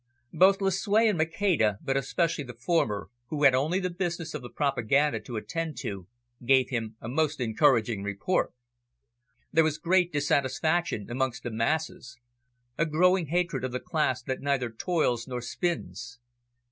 Both Lucue and Maceda, but especially the former, who had only the business of the propaganda to attend to, gave him a most encouraging report. There was great dissatisfaction amongst the masses, a growing hatred of the class that neither toils nor spins.